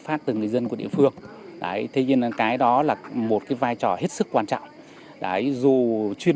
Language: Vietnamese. phát từ người dân của địa phương thế nhưng cái đó là một cái vai trò hết sức quan trọng đấy dù chuyên